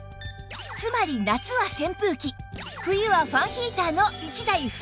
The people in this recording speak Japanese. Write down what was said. つまり夏は扇風機冬はファンヒーターの１台２役